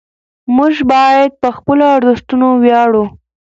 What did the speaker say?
موږ باید په خپلو ارزښتونو ویاړو.